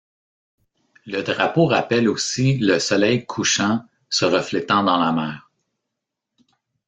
Le drapeau rappelle aussi le soleil couchant se reflétant dans la mer.